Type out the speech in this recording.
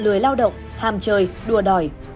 lười lao động hàm chơi đùa đòi